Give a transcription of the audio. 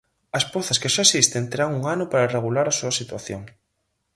As pozas que xa existen terán un ano para regular a súa situación.